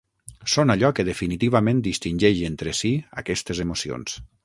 Són allò que definitivament distingeix entre si aquestes emocions.